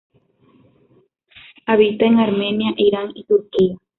Habita en Armenia, Irán y Turquía.